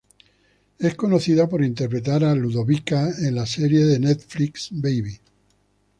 Es conocida por interpretar a Ludovica en la serie de Netflix "Baby".